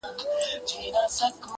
د اوښکو ته مو لپې لوښي کړې که نه.